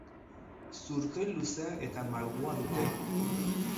Zurtoin luzea eta malgua dute.